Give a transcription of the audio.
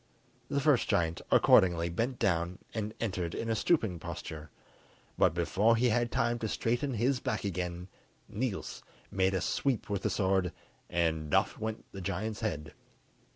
The first giant accordingly bent down and entered in a stooping posture, but before he had time to straighten his back again Niels made a sweep with the sword, and oft went the giant's head.